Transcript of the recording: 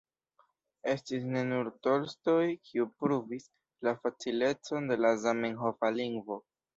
Estis ne nur Tolstoj, kiu pruvis la facilecon de la zamenhofa lingvo.